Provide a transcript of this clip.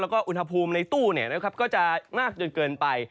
แล้วก็อุณหภูมิในตู้ก็จะมากจนเกินไป